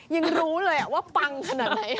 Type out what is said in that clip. ยังรู้เลยว่าปังขนาดไหน